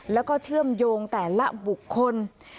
แล้วก็เชื่อมโยงแต่ละบุคคล